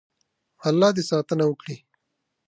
الله دې ساتنه وکړي.